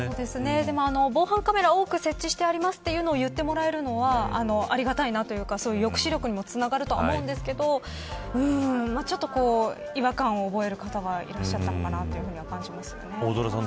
防犯カメラ多く設置してありますと言ってもらえるのはありがたいなというか抑止力につながるなと思うんですけどちょっと違和感を覚える方はいらっしゃったとも感じます。